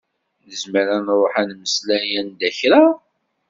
Nezmer ad nruḥ ad nmeslay anda kra?